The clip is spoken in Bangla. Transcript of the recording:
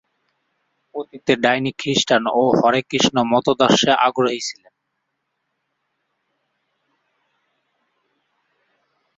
অতীতে ডাউনি খ্রিস্টান ও হরে কৃষ্ণ মতাদর্শে আগ্রহী ছিলেন।